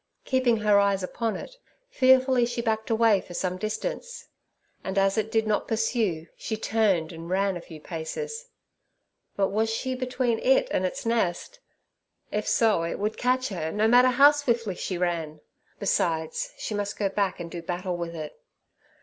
Keeping her eyes upon it, fearfully she backed away for some distance, and as it did not pursue, she turned and ran a few paces. But was she between it and its nest? If so, it would catch her, no matter how swiftly she ran. Besides, she must go back and do battle with it.